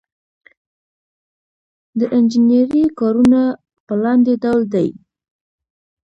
د انجنیری کارونه په لاندې ډول دي.